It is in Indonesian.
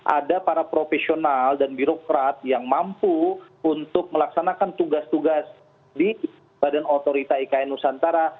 ada para profesional dan birokrat yang mampu untuk melaksanakan tugas tugas di badan otorita ikn nusantara